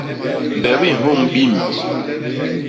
Mbebi i nhôñ biim.